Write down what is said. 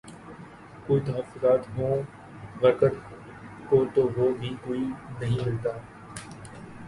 کوئی تحفظات ہوں ورکر کو تو وہ بھی کوئی نہیں ملتا